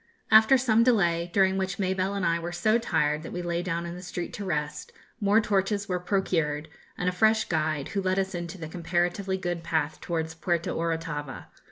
After some delay, during which Mabelle and I were so tired that we lay down in the street to rest, more torches were procured and a fresh guide, who led us into the comparatively good path towards Puerto Orotava.